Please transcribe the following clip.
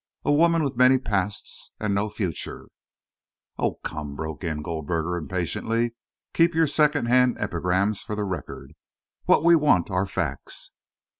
A woman with many pasts and no future " "Oh, come," broke in Goldberger impatiently, "keep your second hand epigrams for the Record. What we want are facts."